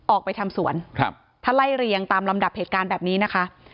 ออกไปทำสวนครับถ้าไล่เรียงตามลำดับเหตุการณ์แบบนี้นะคะ